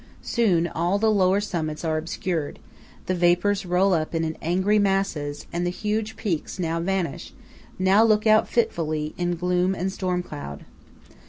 Soon all the lower summits are obscured; the vapours roll up in angry masses; and the huge peaks now vanish, now look out fitfully, in gloom and storm cloud.